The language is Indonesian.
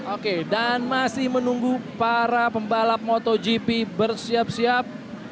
oke dan masih menunggu para pembalap motogp bersiap siap